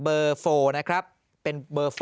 เบอร์๔นะครับเป็นเบอร์๔